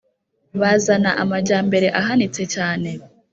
Bazana amajyambere ahanitse cyane